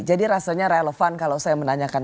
jadi rasanya relevan kalau saya menanyakan